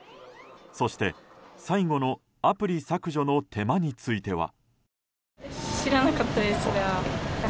そして、最後のアプリ削除の手間については。